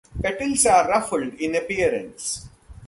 Petals are ruffled in appearance.